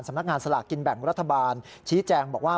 นักงานสลากกินแบ่งรัฐบาลชี้แจงบอกว่า